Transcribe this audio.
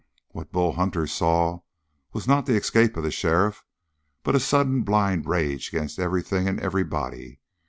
What Bull Hunter saw was not the escape of the sheriff, but a sudden blind rage against everything and everybody.